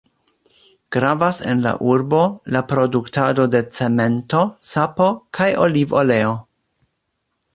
Gravas en la urbo, la produktado de cemento, sapo kaj olivoleo.